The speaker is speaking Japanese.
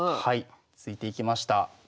はい突いていきました。